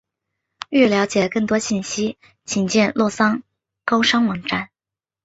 欲了解更多信息请见洛桑高商网站。